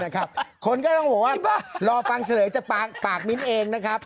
คนก็ต้องบอกว่ารอฟังเฉลยจากปากมิ้นเองนะครับ